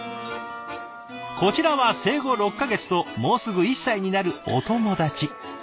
こちらは生後６か月ともうすぐ１歳になるお友達。